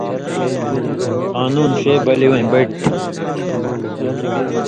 قانُون ݜے بلی وَیں بَٹیۡ تھی